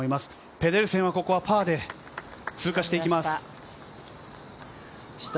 ペデルセンはパーで通過していきました。